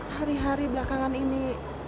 hari hari belakangan ini